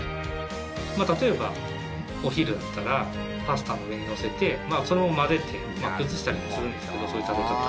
例えば、お昼だったらパスタの上に乗せてそのまま混ぜて崩したりもするんですけどそういう食べ方。